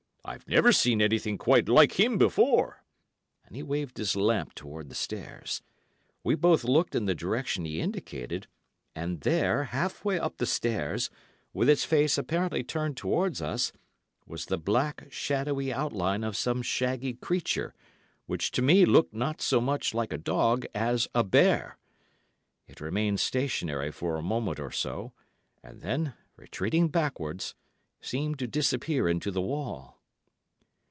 I've never seen anything quite like him before," and he waved his lamp towards the stairs. We both looked in the direction he indicated, and there, half way up the stairs, with its face apparently turned towards us, was the black, shadowy outline of some shaggy creature, which to me looked not so much like a dog as a bear. It remained stationary for a moment or so, and then, retreating backwards, seemed to disappear into the wall.